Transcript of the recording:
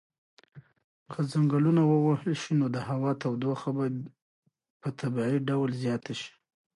که ځنګلونه ووهل شي نو د هوا تودوخه به په طبیعي ډول زیاته شي.